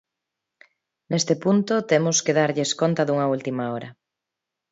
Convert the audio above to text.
Neste punto temos que darlles conta dunha última hora.